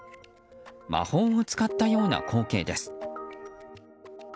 魔法を使ったような光景です。